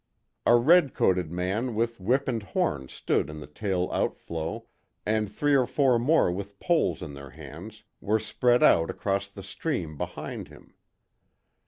A red coated man with whip and horn stood in the tail outflow, and three or four more with poles in their hands were spread out across the stream behind him.